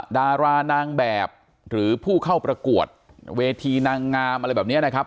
ดารานางแบบหรือผู้เข้าประกวดเวทีนางงามอะไรแบบนี้นะครับ